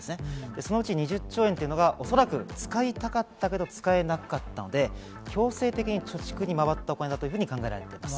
そのうち２０兆円というのが、おそらく使いたかったけど使えなかったので、強制的に貯蓄に回ったお金だと考えられます。